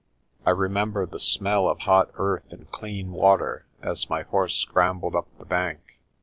I remember the smell of hot earth and clean water as my horse scrambled up the bank.